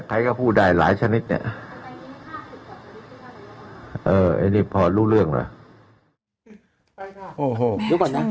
ใครก็พูดได้หลายชนิดเนี้ยเออไอ้นี่พอรู้เรื่องเลยโอ้โหดูก่อนนี้